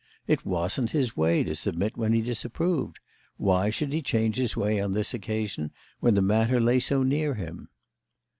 It wasn't his way to submit when he disapproved: why should he change his way on this occasion when the matter lay so near him?